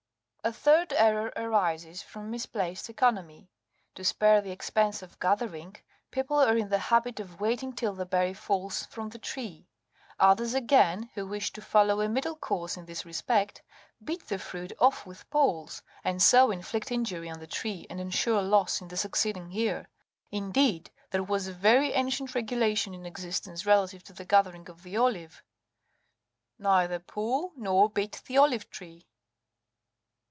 A third error arises from misplaced economy : to spare the expense of gathering, people are in the habit of waiting till the berry falls from the tree. Others, again, who wish to follow a middle course in this respect, beat the fruit off with poles, and so inflict injury on the tree and ensure loss in the succeeding year ; indeed, there was a very ancient regulation in existence relative to the gathering of the olive —" Neither pull nor beat the olive tree.